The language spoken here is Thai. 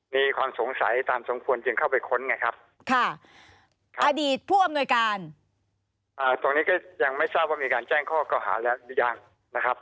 มีความสงสัยตามทรงควรจึงเข้าไปค้นไงครับ